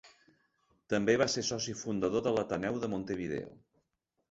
També va ser soci fundador de l'Ateneu de Montevideo.